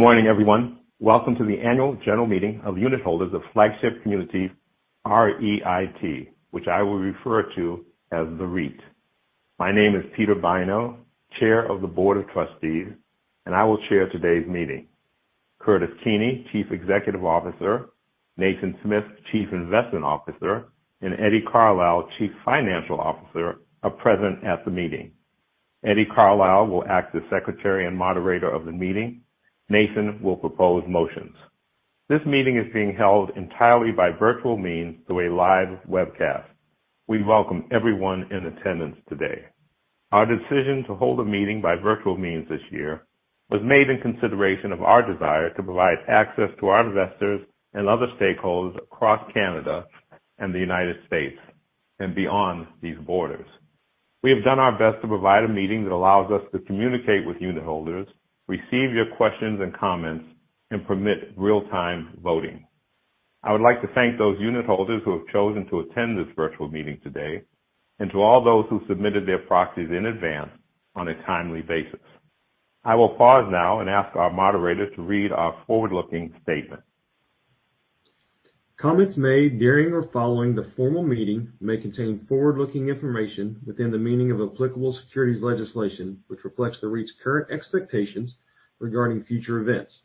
Good morning, everyone. Welcome to the Annual General Meeting of unitholders of Flagship Communities REIT, which I will refer to as the REIT. My name is Peter Bynoe, Chair of the Board of Trustees, and I will chair today's meeting. Kurtis Keeney, Chief Executive Officer, Nathan Smith, Chief Investment Officer, and Eddie Carlisle, Chief Financial Officer, are present at the meeting. Eddie Carlisle will act as secretary and moderator of the meeting. Nathan will propose motions. This meeting is being held entirely by virtual means through a live webcast. We welcome everyone in attendance today. Our decision to hold a meeting by virtual means this year was made in consideration of our desire to provide access to our investors and other stakeholders across Canada and the United States, and beyond these borders. We have done our best to provide a meeting that allows us to communicate with unitholders, receive your questions and comments, and permit real-time voting. I would like to thank those unitholders who have chosen to attend this virtual meeting today, and to all those who submitted their proxies in advance on a timely basis. I will pause now and ask our moderator to read our forward-looking statement. Comments made during or following the formal meeting may contain forward-looking information within the meaning of applicable securities legislation, which reflects the REIT's current expectations regarding future events.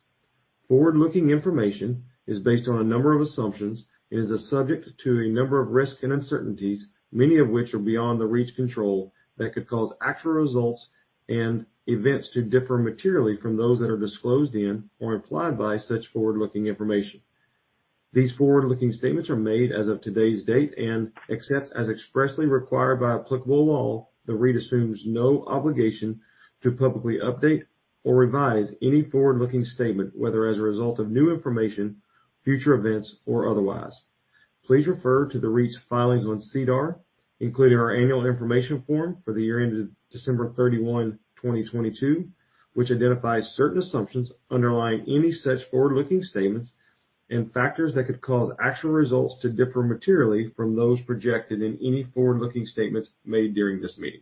Forward-looking information is based on a number of assumptions and is subject to a number of risks and uncertainties, many of which are beyond the REIT's control, that could cause actual results and events to differ materially from those that are disclosed in or implied by such forward-looking information. These forward-looking statements are made as of today's date, and except as expressly required by applicable law, the REIT assumes no obligation to publicly update or revise any forward-looking statement, whether as a result of new information, future events, or otherwise. Please refer to the REIT's filings on SEDAR, including our annual information form for the year ended December 31, 2022, which identifies certain assumptions underlying any such forward-looking statements and factors that could cause actual results to differ materially from those projected in any forward-looking statements made during this meeting.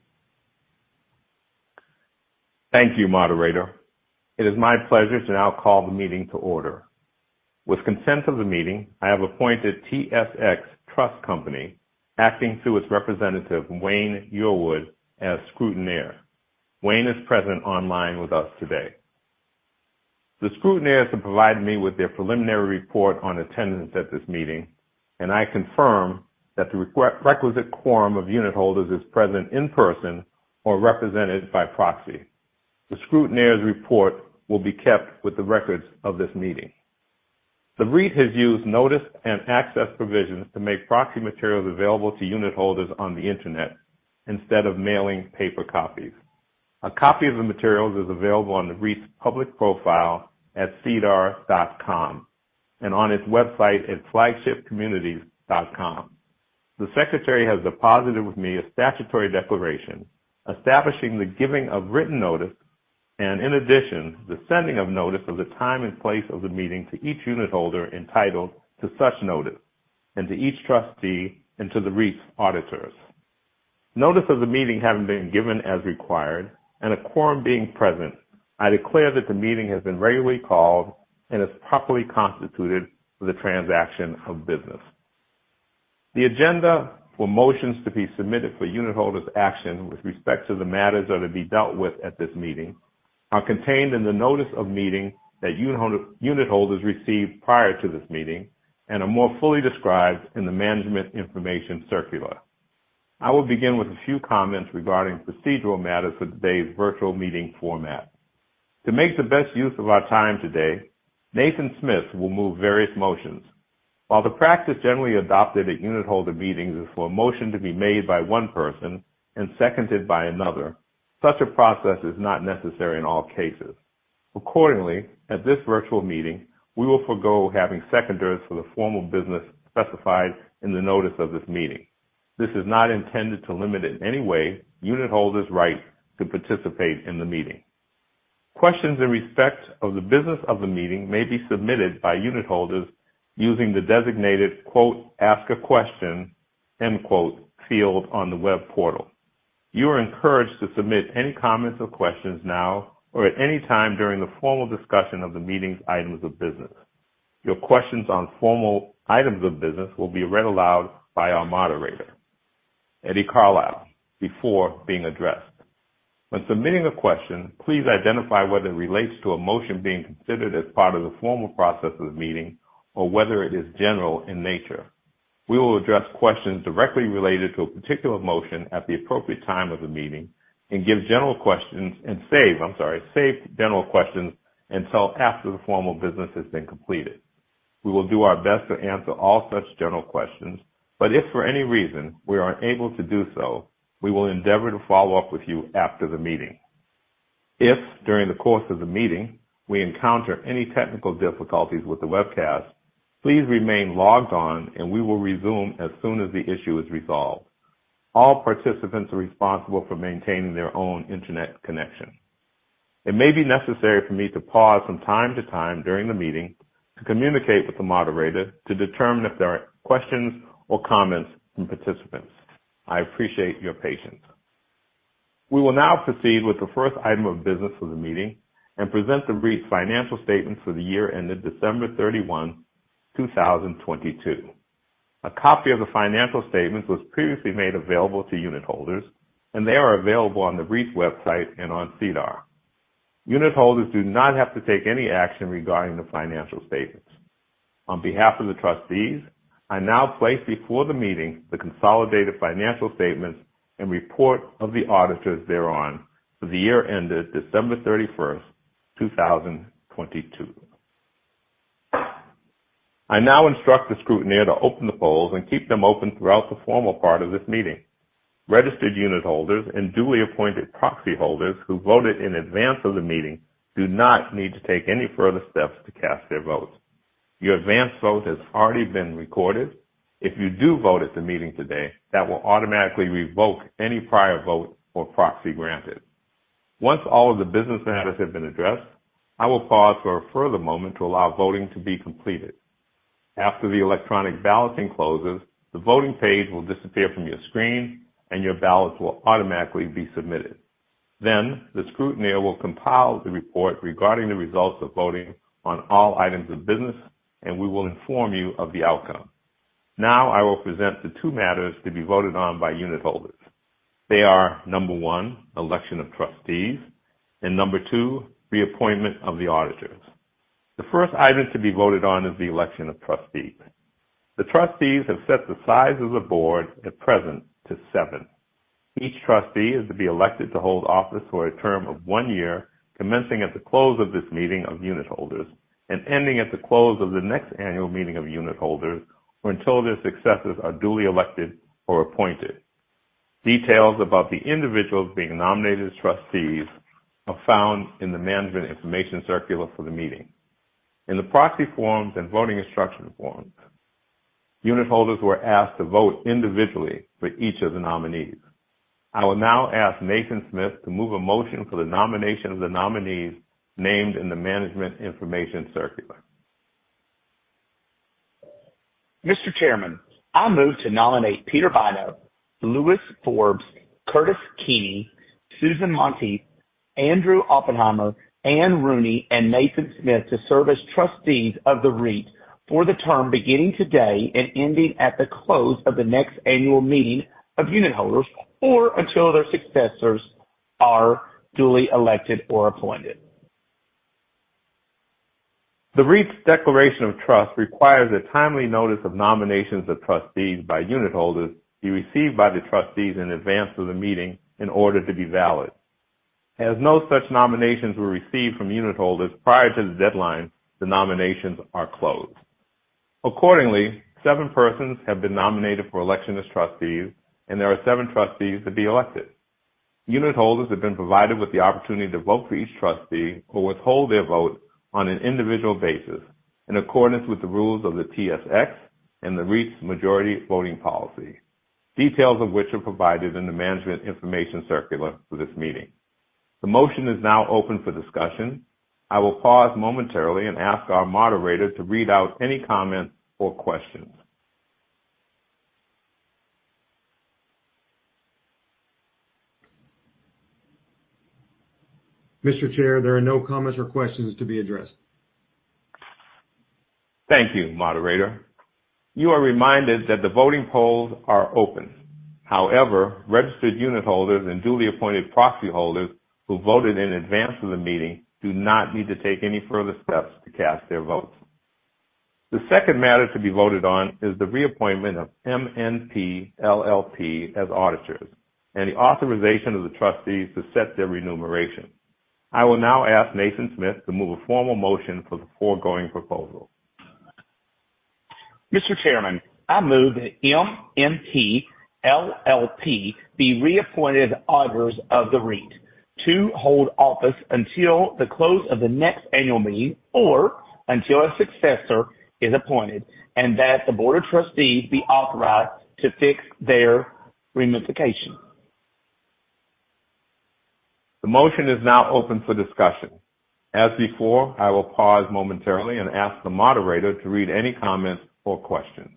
Thank you, moderator. It is my pleasure to now call the meeting to order. With consent of the meeting, I have appointed TSX Trust Company, acting through its representative, Wayne Yearwood, as scrutineer. Wayne is present online with us today. The scrutineers have provided me with their preliminary report on attendance at this meeting, and I confirm that the requisite quorum of unitholders is present in person or represented by proxy. The scrutineer's report will be kept with the records of this meeting. The REIT has used notice and access provisions to make proxy materials available to unitholders on the internet instead of mailing paper copies. A copy of the materials is available on the REIT's public profile at sedar.com and on its website at flagshipcommunities.com. The secretary has deposited with me a statutory declaration establishing the giving of written notice and, in addition, the sending of notice of the time and place of the meeting to each unitholder entitled to such notice, and to each trustee and to the REIT's auditors. Notice of the meeting having been given as required, and a quorum being present, I declare that the meeting has been regularly called and is properly constituted for the transaction of business. The agenda for motions to be submitted for unitholders action with respect to the matters that are to be dealt with at this meeting, are contained in the notice of meeting that unitholders received prior to this meeting, and are more fully described in the management information circular. I will begin with a few comments regarding procedural matters for today's virtual meeting format. To make the best use of our time today, Nathan Smith will move various motions. While the practice generally adopted at unitholder meetings is for a motion to be made by one person and seconded by another, such a process is not necessary in all cases. Accordingly, at this virtual meeting, we will forgo having seconders for the formal business specified in the notice of this meeting. This is not intended to limit in any way, unitholders' right to participate in the meeting. Questions in respect of the business of the meeting may be submitted by unitholders using the designated, quote, Ask a question, end quote, field on the web portal. You are encouraged to submit any comments or questions now or at any time during the formal discussion of the meeting's items of business. Your questions on formal items of business will be read aloud by our moderator, Eddie Carlisle, before being addressed. When submitting a question, please identify whether it relates to a motion being considered as part of the formal process of the meeting or whether it is general in nature. We will address questions directly related to a particular motion at the appropriate time of the meeting and save, I'm sorry, save general questions until after the formal business has been completed. We will do our best to answer all such general questions, but if for any reason we are unable to do so, we will endeavor to follow up with you after the meeting. If, during the course of the meeting, we encounter any technical difficulties with the webcast, please remain logged on and we will resume as soon as the issue is resolved. All participants are responsible for maintaining their own internet connection. It may be necessary for me to pause from time to time during the meeting to communicate with the moderator to determine if there are questions or comments from participants. I appreciate your patience. We will now proceed with the first item of business for the meeting and present the brief financial statements for the year ended December 31, 2022. A copy of the financial statements was previously made available to unitholders, and they are available on the REIT's website and on SEDAR. Unitholders do not have to take any action regarding the financial statements. On behalf of the trustees, I now place before the meeting the consolidated financial statements and report of the auditors thereon for the year ended December 31st, 2022. I now instruct the scrutineer to open the polls and keep them open throughout the formal part of this meeting. Registered unitholders and duly appointed proxy holders who voted in advance of the meeting do not need to take any further steps to cast their votes. Your advance vote has already been recorded. If you do vote at the meeting today, that will automatically revoke any prior vote or proxy granted. Once all of the business matters have been addressed, I will pause for a further moment to allow voting to be completed. After the electronic balloting closes, the voting page will disappear from your screen and your ballots will automatically be submitted. The scrutineer will compile the report regarding the results of voting on all items of business, and we will inform you of the outcome. I will present the two matters to be voted on by unitholders. They are, number one, election of trustees, and number two, reappointment of the auditors. The first item to be voted on is the election of trustees. The trustees have set the size of the board at present to seven. Each trustee is to be elected to hold office for a term of one year, commencing at the close of this meeting of unitholders and ending at the close of the next annual meeting of unitholders, or until their successors are duly elected or appointed. Details about the individuals being nominated as trustees are found in the management information circular for the meeting. In the proxy forms and voting instruction forms, unitholders were asked to vote individually for each of the nominees. I will now ask Nathan Smith to move a motion for the nomination of the nominees named in the management information circular. Mr. Chairman, I move to nominate Peter Bynoe, Louis Forbes, Kurtis Keeney, Susan Monteith, Andrew Oppenheim, Ann Rooney, and Nathan Smith to serve as trustees of the REIT for the term beginning today and ending at the close of the next annual meeting of unitholders, or until their successors are duly elected or appointed. The REIT's declaration of trust requires a timely notice of nominations of trustees by unitholders be received by the trustees in advance of the meeting in order to be valid. No such nominations were received from unitholders prior to the deadline, the nominations are closed. Accordingly, seven persons have been nominated for election as trustees, and there are seven trustees to be elected. Unitholders have been provided with the opportunity to vote for each trustee or withhold their vote on an individual basis, in accordance with the rules of the TSX and the REIT's majority voting policy, details of which are provided in the management information circular for this meeting. The motion is now open for discussion. I will pause momentarily and ask our moderator to read out any comments or questions. Mr. Chair, there are no comments or questions to be addressed. Thank you, moderator. You are reminded that the voting polls are open. However, registered unitholders and duly appointed proxy holders who voted in advance of the meeting do not need to take any further steps to cast their votes. The second matter to be voted on is the reappointment of MNP LLP as auditors, and the authorization of the trustees to set their remuneration. I will now ask Nathan Smith to move a formal motion for the foregoing proposal. Mr. Chairman, I move that MNP LLP be reappointed auditors of the REIT to hold office until the close of the next annual meeting or until a successor is appointed, and that the board of trustees be authorized to fix their remuneration. The motion is now open for discussion. As before, I will pause momentarily and ask the moderator to read any comments or questions.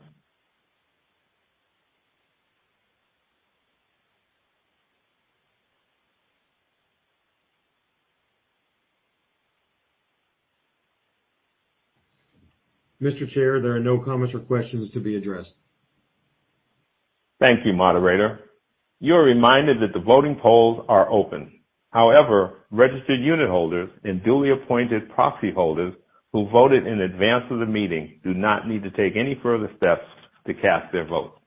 Mr. Chair, there are no comments or questions to be addressed. Thank you, Moderator. You are reminded that the voting polls are open. However, registered unitholders and duly appointed proxy holders who voted in advance of the meeting do not need to take any further steps to cast their vote.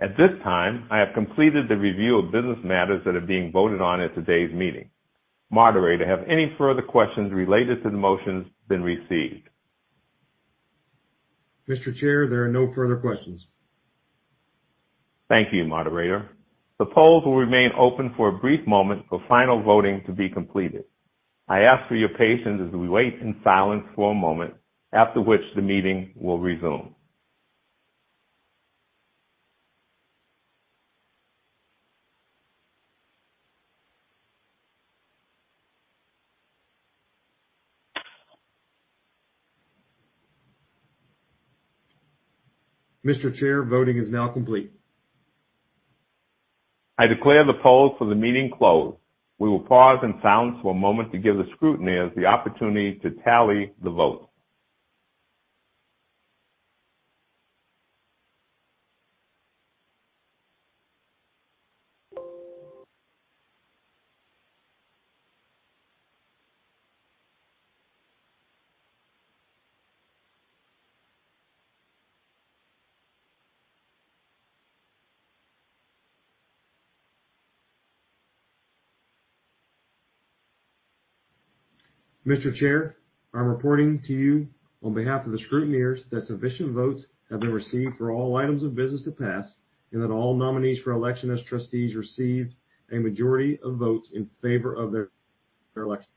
At this time, I have completed the review of business matters that are being voted on at today's meeting. Moderator, have any further questions related to the motions been received? Mr. Chair, there are no further questions. Thank you, moderator. The polls will remain open for a brief moment for final voting to be completed. I ask for your patience as we wait in silence for a moment, after which the meeting will resume. Mr. Chair, voting is now complete. I declare the polls for the meeting closed. We will pause and sound for a moment to give the scrutineers the opportunity to tally the vote. Mr. Chair, I'm reporting to you on behalf of the scrutineers, that sufficient votes have been received for all items of business to pass, that all nominees for election as trustees received a majority of votes in favor of their election.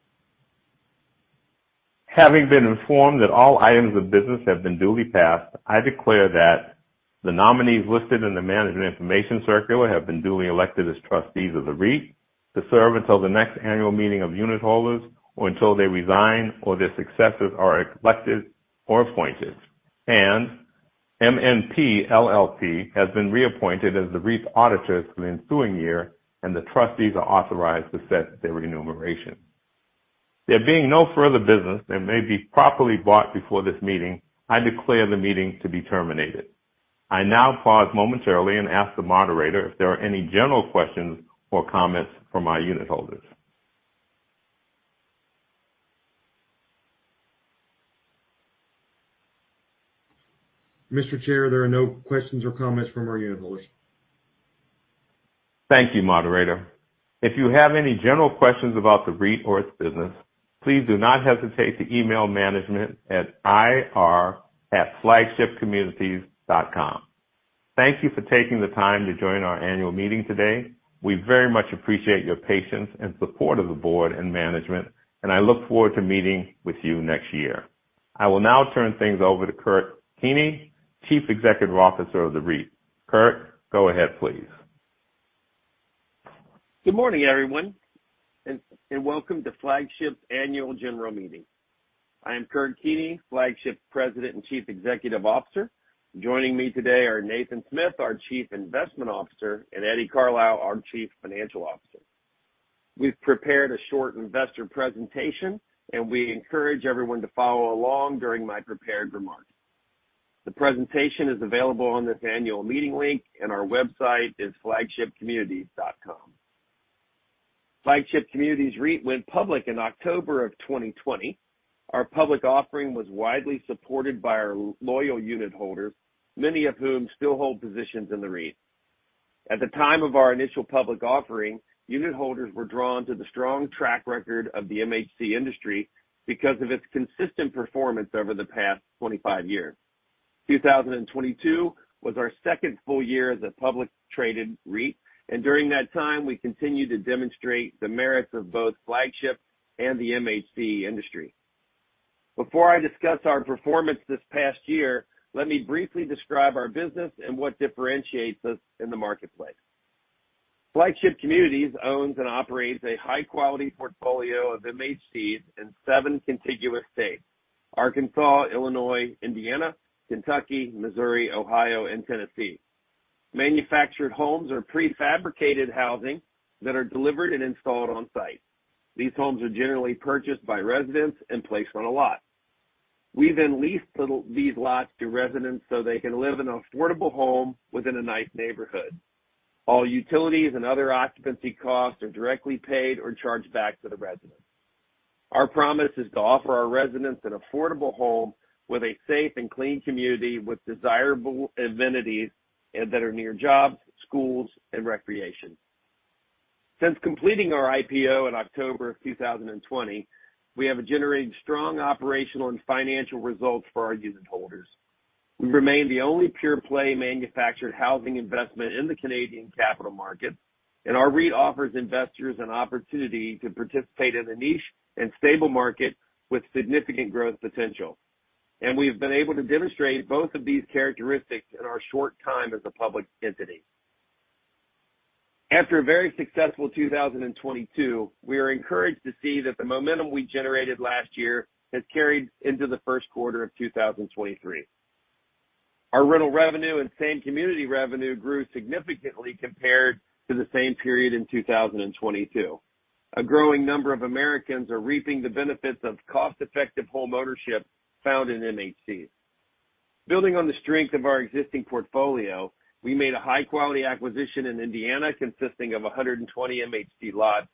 Having been informed that all items of business have been duly passed, I declare that the nominees listed in the Management Information Circular have been duly elected as trustees of the REIT to serve until the next annual meeting of unitholders, or until they resign, or their successors are elected or appointed. MNP LLP has been reappointed as the REIT's auditors for the ensuing year, and the trustees are authorized to set their remuneration. There being no further business that may be properly brought before this meeting, I declare the meeting to be terminated. I now pause momentarily and ask the moderator if there are any general questions or comments from our unitholders. Mr. Chair, there are no questions or comments from our unitholders. Thank you, moderator. If you have any general questions about the REIT or its business, please do not hesitate to email management at ir@flagshipcommunities.com. Thank you for taking the time to join our annual meeting today. We very much appreciate your patience and support of the board and management, I look forward to meeting with you next year. I will now turn things over to Kurt Keeney, Chief Executive Officer of the REIT. Kurt, go ahead, please. Good morning, everyone, and welcome to Flagship's Annual General Meeting. I am Kurt Keeney, Flagship President and Chief Executive Officer. Joining me today are Nathan Smith, our Chief Investment Officer, and Eddie Carlisle, our Chief Financial Officer. We've prepared a short investor presentation, and we encourage everyone to follow along during my prepared remarks. The presentation is available on this annual meeting link, and our website is flagshipcommunities.com. Flagship Communities REIT went public in October of 2020. Our public offering was widely supported by our loyal unitholders, many of whom still hold positions in the REIT. At the time of our initial public offering, unitholders were drawn to the strong track record of the MHC industry because of its consistent performance over the past 25 years. 2022 was our second full year as a public traded REIT. During that time, we continued to demonstrate the merits of both Flagship and the MHC industry. Before I discuss our performance this past year, let me briefly describe our business and what differentiates us in the marketplace. Flagship Communities owns and operates a high-quality portfolio of MHCs in seven contiguous states: Arkansas, Illinois, Indiana, Kentucky, Missouri, Ohio, and Tennessee. Manufactured homes are prefabricated housing that are delivered and installed on site. These homes are generally purchased by residents and placed on a lot. We lease these lots to residents so they can live in an affordable home within a nice neighborhood. All utilities and other occupancy costs are directly paid or charged back to the residents. Our promise is to offer our residents an affordable home with a safe and clean community, with desirable amenities, and that are near jobs, schools, and recreation. Since completing our IPO in October of 2020, we have generated strong operational and financial results for our unitholders. We remain the only pure-play manufactured housing investment in the Canadian capital markets, and our REIT offers investors an opportunity to participate in a niche and stable market with significant growth potential. We've been able to demonstrate both of these characteristics in our short time as a public entity. After a very successful 2022, we are encouraged to see that the momentum we generated last year has carried into the first quarter of 2023. Our rental revenue and same-community revenue grew significantly compared to the same period in 2022. A growing number of Americans are reaping the benefits of cost-effective homeownership found in MHCs. Building on the strength of our existing portfolio, we made a high-quality acquisition in Indiana, consisting of 120 MHC lots,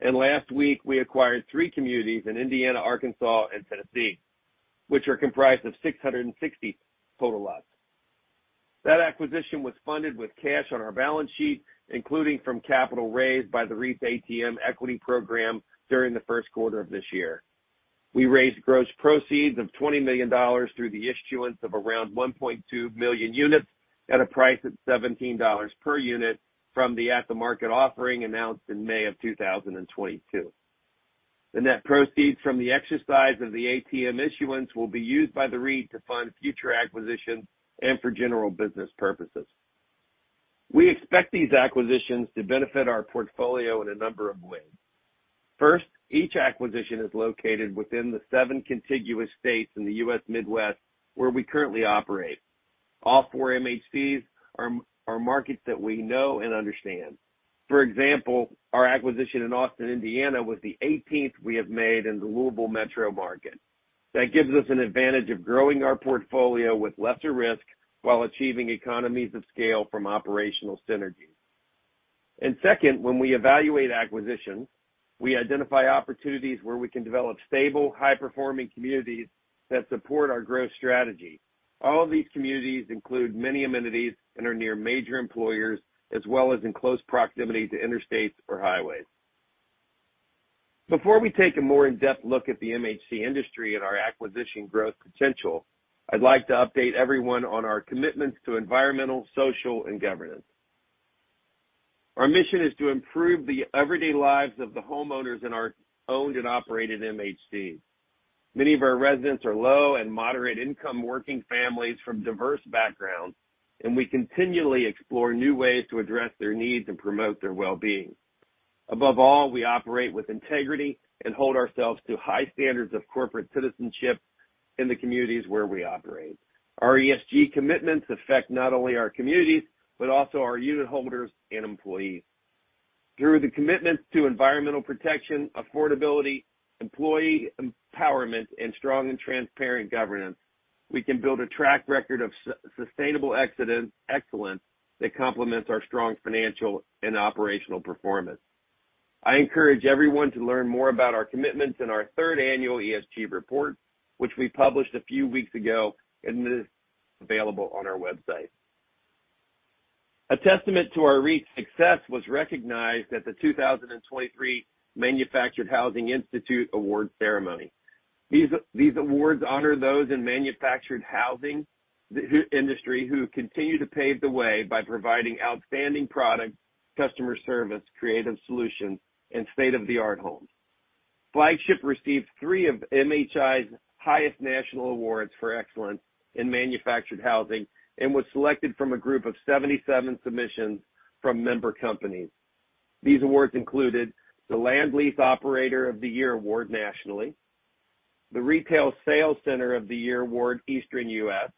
and last week, we acquired three communities in Indiana, Arkansas, and Tennessee, which are comprised of 660 total lots. That acquisition was funded with cash on our balance sheet, including from capital raised by the REIT's ATM equity program during the first quarter of this year. We raised gross proceeds of $20 million through the issuance of around 1.2 million units at a price of $17 per unit from the at-the-market offering announced in May 2022. The net proceeds from the exercise of the ATM issuance will be used by the REIT to fund future acquisitions and for general business purposes. We expect these acquisitions to benefit our portfolio in a number of ways. First, each acquisition is located within the seven contiguous states in the U.S. Midwest, where we currently operate. All four MHCs are markets that we know and understand. For example, our acquisition in Austin, Indiana, was the 18th we have made in the Louisville metro market. That gives us an advantage of growing our portfolio with lesser risk, while achieving economies of scale from operational synergies. Second, when we evaluate acquisitions, we identify opportunities where we can develop stable, high-performing communities that support our growth strategy. All of these communities include many amenities and are near major employers, as well as in close proximity to interstates or highways. Before we take a more in-depth look at the MHC industry and our acquisition growth potential, I'd like to update everyone on our commitments to environmental, social, and governance. Our mission is to improve the everyday lives of the homeowners in our owned and operated MHCs. Many of our residents are low- and moderate-income working families from diverse backgrounds. We continually explore new ways to address their needs and promote their well-being. Above all, we operate with integrity and hold ourselves to high standards of corporate citizenship in the communities where we operate. Our ESG commitments affect not only our communities, but also our unitholders and employees. Through the commitments to environmental protection, affordability, employee empowerment, and strong and transparent governance, we can build a track record of sustainable excellence that complements our strong financial and operational performance. I encourage everyone to learn more about our commitments in our third annual ESG report, which we published a few weeks ago and is available on our website. A testament to our REIT's success was recognized at the 2023 Manufactured Housing Institute Award ceremony. These awards honor those in manufactured housing industry, who continue to pave the way by providing outstanding products, customer service, creative solutions, and state-of-the-art homes. Flagship received three of MHI's highest national awards for excellence in manufactured housing and was selected from a group of 77 submissions from member companies. These awards included the Land Lease Operator of the Year Award nationally, the Retail Sales Center of the Year Award, Eastern U.S.,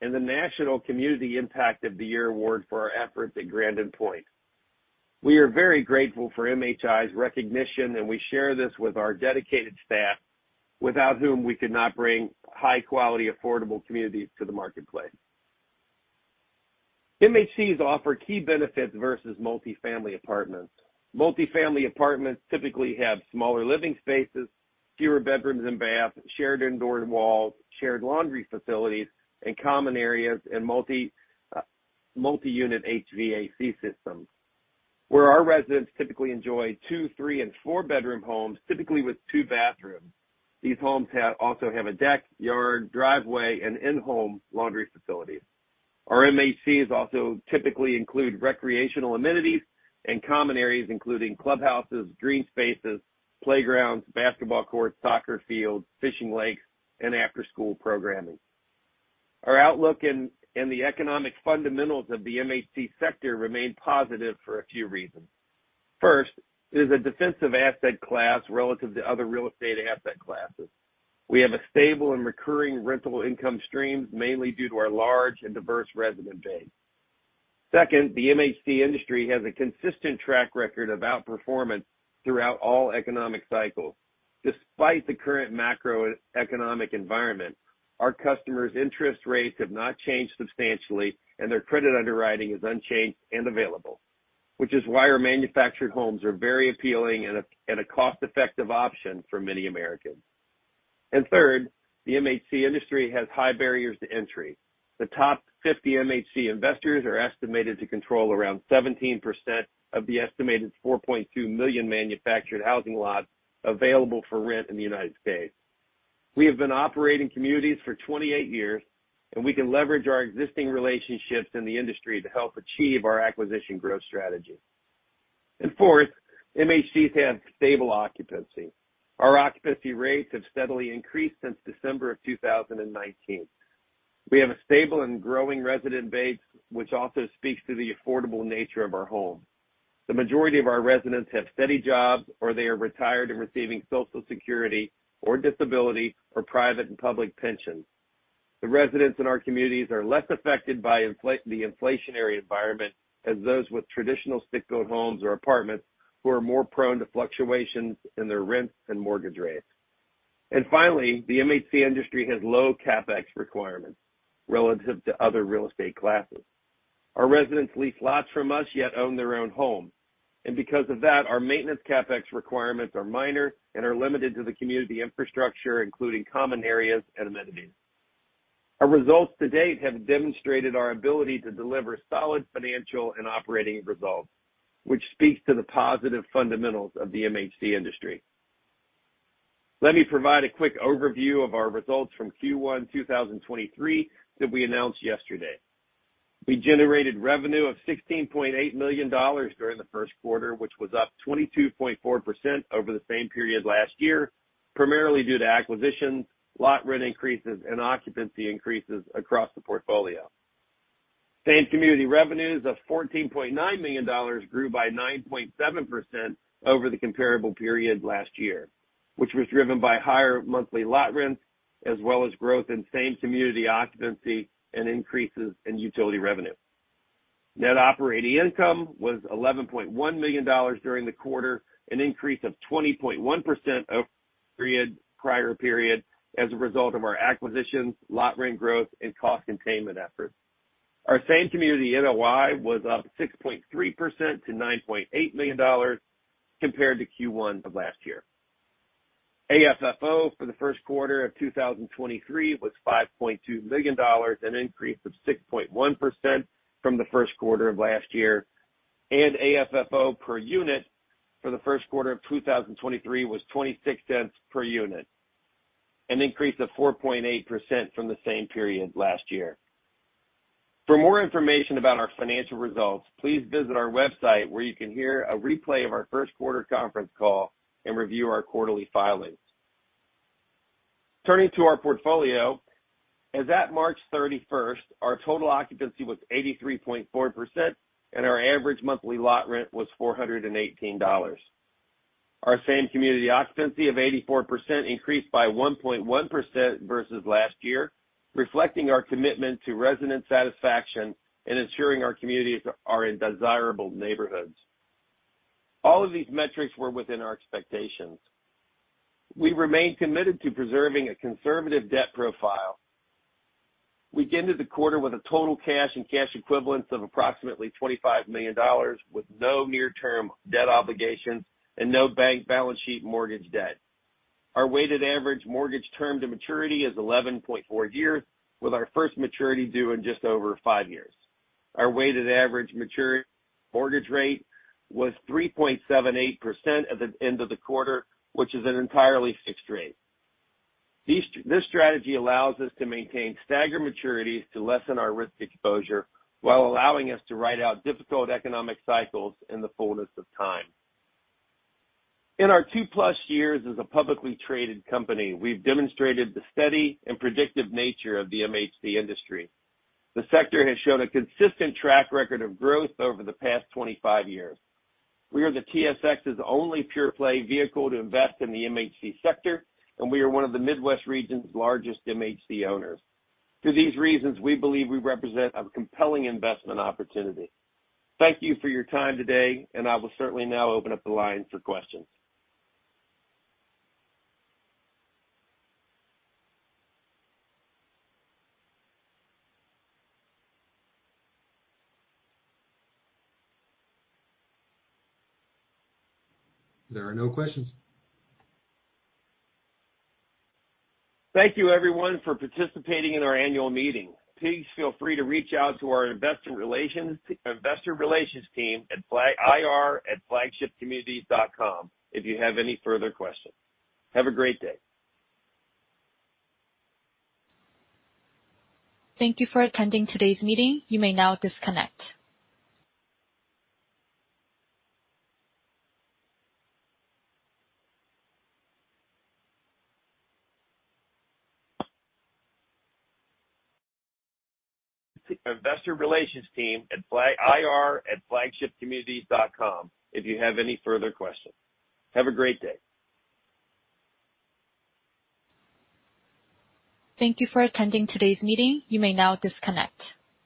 and the National Community Impact of the Year Award for our efforts at Grandin Point. We are very grateful for MHI's recognition, and we share this with our dedicated staff, without whom we could not bring high-quality, affordable communities to the marketplace. MHCs offer key benefits versus multifamily apartments. Multifamily apartments typically have smaller living spaces, fewer bedrooms and baths, shared indoor walls, shared laundry facilities and common areas, and multi-unit HVAC systems, where our residents typically enjoy 2, 3, and 4-bedroom homes, typically with two bathrooms. These homes also have a deck, yard, driveway, and in-home laundry facilities. Our MHCs also typically include recreational amenities and common areas, including clubhouses, green spaces, playgrounds, basketball courts, soccer fields, fishing lakes, and after-school programming. Our outlook and the economic fundamentals of the MHC sector remain positive for a few reasons. First, it is a defensive asset class relative to other real estate asset classes. We have a stable and recurring rental income streams, mainly due to our large and diverse resident base. Second, the MHC industry has a consistent track record of outperformance throughout all economic cycles. Despite the current macroeconomic environment, our customers' interest rates have not changed substantially, and their credit underwriting is unchanged and available, which is why our manufactured homes are very appealing and a cost-effective option for many Americans. Third, the MHC industry has high barriers to entry. The top 50 MHC investors are estimated to control around 17% of the estimated 4.2 million manufactured housing lots available for rent in the United States. We have been operating communities for 28 years, and we can leverage our existing relationships in the industry to help achieve our acquisition growth strategy. Fourth, MHCs have stable occupancy. Our occupancy rates have steadily increased since December of 2019. We have a stable and growing resident base, which also speaks to the affordable nature of our homes. The majority of our residents have steady jobs, or they are retired and receiving Social Security or disability, or private and public pensions. The residents in our communities are less affected by the inflationary environment as those with traditional stick-built homes or apartments, who are more prone to fluctuations in their rents and mortgage rates. Finally, the MHC industry has low CapEx requirements relative to other real estate classes. Our residents lease lots from us, yet own their own home. Because of that, our maintenance CapEx requirements are minor and are limited to the community infrastructure, including common areas and amenities. Our results to date have demonstrated our ability to deliver solid financial and operating results, which speaks to the positive fundamentals of the MHC industry. Let me provide a quick overview of our results from Q1 2023 that we announced yesterday. We generated revenue of $16.8 million during the first quarter, which was up 22.4% over the same period last year, primarily due to acquisitions, lot rent increases, and occupancy increases across the portfolio. Same-community revenues of $14.9 million grew by 9.7% over the comparable period last year, which was driven by higher monthly lot rents, as well as growth in same-community occupancy and increases in utility revenue. Net operating income was $11.1 million during the quarter, an increase of 20.1% of prior period as a result of our acquisitions, lot rent growth, and cost containment efforts. Our same community NOI was up 6.3% to $9.8 million compared to Q1 of last year. AFFO for the first quarter of 2023 was $5.2 million, an increase of 6.1% from the first quarter of last year, and AFFO per unit for the first quarter of 2023 was $0.26 per unit, an increase of 4.8% from the same period last year. For more information about our financial results, please visit our website, where you can hear a replay of our first quarter conference call and review our quarterly filings. Turning to our portfolio, as at March 31st, our total occupancy was 83.4%, and our average monthly lot rent was $418. Our same community occupancy of 84% increased by 1.1% versus last year, reflecting our commitment to resident satisfaction and ensuring our communities are in desirable neighborhoods. All of these metrics were within our expectations. We remain committed to preserving a conservative debt profile. We ended the quarter with a total cash and cash equivalents of approximately $25 million, with no near-term debt obligations and no bank balance sheet mortgage debt. Our weighted average mortgage term to maturity is 11.4 years, with our first maturity due in just over 5 years. Our weighted average maturity mortgage rate was 3.78% at the end of the quarter, which is an entirely fixed rate. This strategy allows us to maintain staggered maturities to lessen our risk exposure, while allowing us to ride out difficult economic cycles in the fullness of time. In our 2+ years as a publicly traded company, we've demonstrated the steady and predictive nature of the MHC industry. The sector has shown a consistent track record of growth over the past 25 years. We are the TSX's only pure-play vehicle to invest in the MHC sector, and we are one of the Midwest region's largest MHC owners. For these reasons, we believe we represent a compelling investment opportunity. Thank you for your time today. I will certainly now open up the line for questions. There are no questions. Thank you, everyone, for participating in our annual meeting. Please feel free to reach out to our investor relations team at ir@flagshipcommunities.com if you have any further questions. Have a great day. Thank you for attending today's meeting. You may now disconnect. Investor relations team at ir@flagshipcommunities.com if you have any further questions. Have a great day. Thank you for attending today's meeting. You may now disconnect.